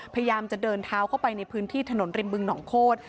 พยายามจะเดินเท้าเข้าไปในพื้นที่ถนนริมบึงหนองโคตร